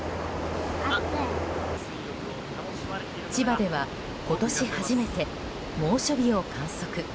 千葉では今年初めて猛暑日を観測。